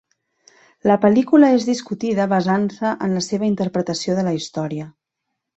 La pel·lícula és discutida basant-se en la seva interpretació de la història.